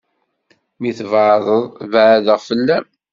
Mi tbaɛdeḍ, beɛdeɣ fell-am.